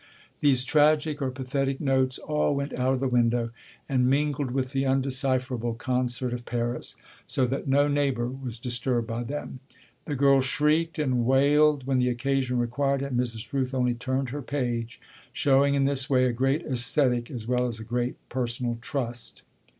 These tragic or pathetic notes all went out of the window and mingled with the undecipherable concert of Paris, so that no neighbour was disturbed by them. The girl shrieked and wailed when the occasion required it, and Mrs. Rooth only turned her page, showing in this way a great esthetic as well as a great personal trust.